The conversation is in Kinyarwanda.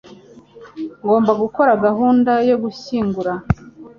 Ngomba gukora gahunda yo gushyingura